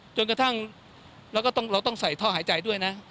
จนกระทั่งเราก็ต้องเราต้องใส่ท่อหายใจด้วยนะ